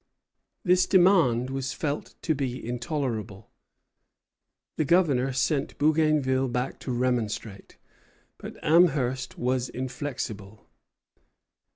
This demand was felt to be intolerable. The Governor sent Bougainville back to remonstrate; but Amherst was inflexible.